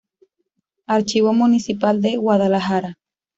Archivo Municipal de Guadalajara.